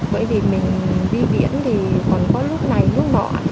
bởi vì mình đi biển thì còn có lúc này lúc bỏ